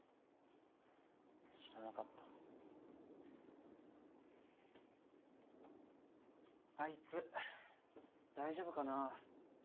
知らなかったあいつ大丈夫かな？